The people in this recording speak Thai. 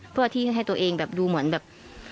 เพื่อที่ให้ตัวเองแบบดูเหมือนแบบ